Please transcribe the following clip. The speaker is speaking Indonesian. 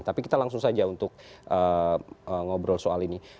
tapi kita langsung saja untuk ngobrol soal ini